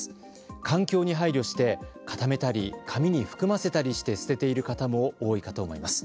環境に配慮して、固めたり紙に含ませたりして捨てている方も多いかと思います。